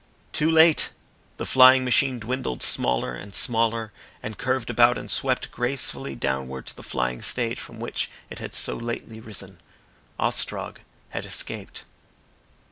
Too late! The flying machine dwindled smaller and smaller, and curved about and swept gracefully downward to the flying stage from which it had so lately risen. Ostrog had escaped.